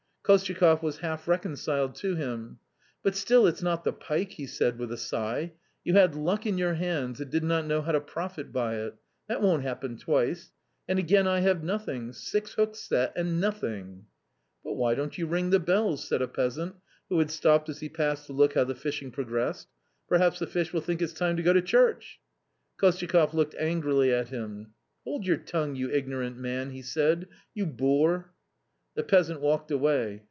Kostyakoff was half reconciled to him. " But still it's not the pike !" he said with a sigh ;" you had luck in your hands, and did not know how to profit by it ; that won't happen twice. And again I have nothing ! six hooks set, and nothing !"" But why don't you ring the bells ?" said a peasant, who had stopped as he passed to look how the fishing pro gressed; "perhaps the fish will think it's time to go to church !" Kostyakoff looked angrily at him. " Hold your tongue, you ignorant man !" he said, " you boor !" The peasant walked away.